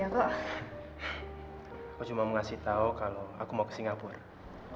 aku cuma mengasih tahu kalau aku mau ke singapura